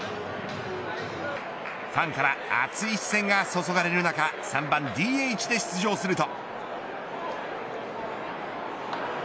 ファンから熱い視線が注がれる中３番ＤＨで出場すると。